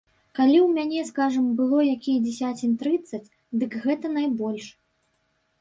Калі ў мяне, скажам, было якія дзесяцін трыццаць, дык гэта найбольш.